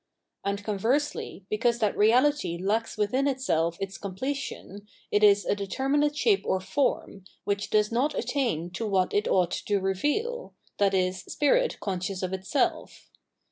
And conversely, because that reality lacks within itself its completion, it is a determinate shape or form, which does not attain to what it ought to reveal, viz. spirit conscious of itself.